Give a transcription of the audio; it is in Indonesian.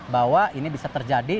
bahwa ini bisa terjadi